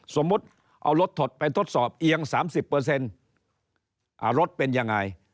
สมมุติเอารถถดไปทดสอบเอียง๓๐รถเป็นยังไง